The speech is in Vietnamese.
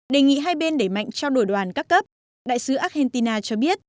đề nghị hai bên đẩy mạnh trao đổi đoàn các cấp đại sứ argentina cho biết